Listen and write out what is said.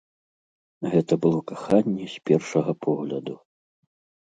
Гэта было каханне з першага погляду.